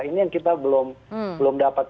ini yang kita belum dapat